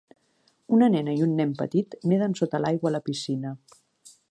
Una nena i un nen petit neden sota l'aigua a la piscina